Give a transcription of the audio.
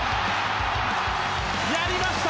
やりました！